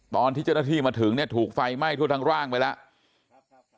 ตอนที่เจ้าหน้าที่มาถึงเนี่ยถูกไฟไหม้ทั่วทั้งร่างไปแล้ว